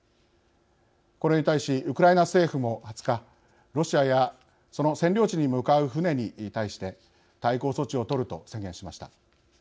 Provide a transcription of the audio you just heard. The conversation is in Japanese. これに対しウクライナ政府も２０日ロシアやその占領地に向かう船に対して対抗措置を取ると宣言しました。